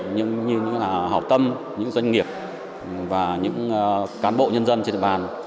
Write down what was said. những sự kiện những hào tâm những doanh nghiệp và những cán bộ nhân dân trên địa bàn